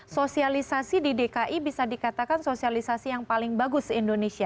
sosialisasi di dki bisa dikatakan sosialisasi yang paling bagus indonesia